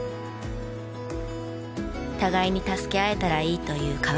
互いに助け合えたらいいという川口さん。